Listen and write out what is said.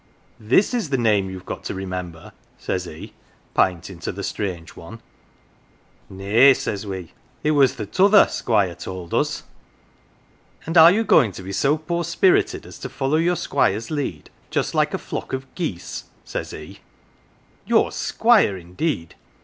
"' This is the name you've got to remember,' says he, p'intin' to the strange one. "' Nay,' says we. ' It was the t'other, Squire told us.' "'And are you going to be so poor spirited as to follow your Squire's lead just like a flock of geese?' says he. ' Your Squire indeed